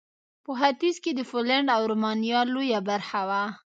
په ختیځ کې د پولنډ او رومانیا لویه برخه وه.